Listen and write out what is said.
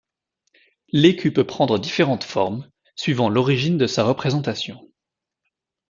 L'écu peut prendre différentes formes, suivant l'origine de sa représentation.